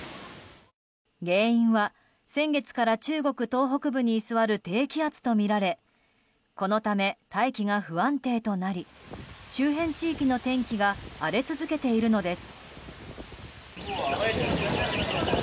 原因は、先月から中国東北部に居座る低気圧とみられこのため大気が不安定となり周辺地域の天気が荒れ続けているのです。